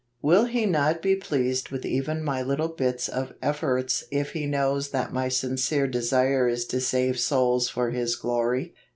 "Will He not be pleased with even my little bits of efforts if He knows that my sincere desire is to save souls for his glory